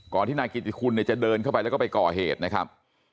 ที่นายกิติคุณเนี่ยจะเดินเข้าไปแล้วก็ไปก่อเหตุนะครับ